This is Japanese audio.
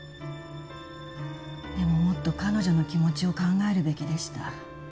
でももっと彼女の気持ちを考えるべきでした。